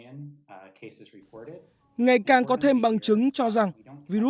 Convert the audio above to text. ngày càng có thêm bằng chứng cho rằng virus corona đang đột biến để kháng thuốc hoặc đối phó với hệ miễn dịch của con người